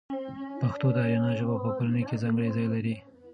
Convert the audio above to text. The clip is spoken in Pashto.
پښتو د آریایي ژبو په کورنۍ کې ځانګړی ځای لري.